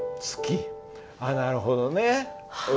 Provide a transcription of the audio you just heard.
あっなるほどね。